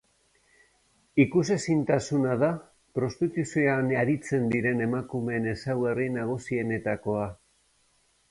Ikusezintasuna da prostituzioan aritzen diren emakumeen ezaugarri nagusienetakoa.